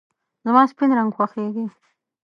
زما سپین رنګ خوښېږي .